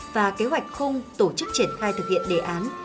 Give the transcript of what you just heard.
và kế hoạch khung tổ chức triển khai thực hiện đề án